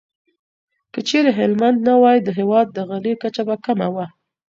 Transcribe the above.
که چيرې هلمند نه وای، د هېواد د غلې کچه به کمه وه.